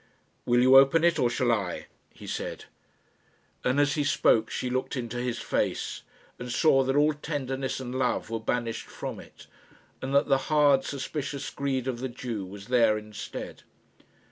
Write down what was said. "Will you open it, or shall I?" he said; and as he spoke, she looked into his face, and saw that all tenderness and love were banished from it, and that the hard suspicious greed of the Jew was there instead.